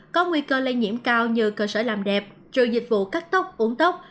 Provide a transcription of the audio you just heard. có nguy cơ lây nhiễm cao như cơ sở làm đẹp trừ dịch vụ cắt tóc uống tóc